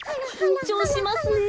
きんちょうしますねえ。